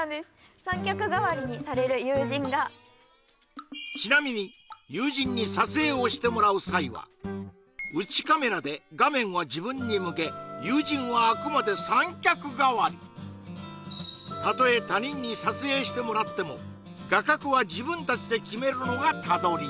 三脚がわりにされる友人がちなみに友人に撮影をしてもらう際は内カメラで画面は自分に向け友人はあくまで三脚がわりたとえ他人に撮影してもらっても画角は自分達で決めるのが他撮り